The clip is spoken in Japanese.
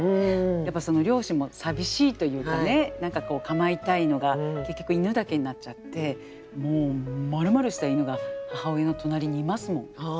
やっぱ両親も寂しいというかね何か構いたいのが結局犬だけになっちゃってもうまるまるした犬が母親の隣にいますもん。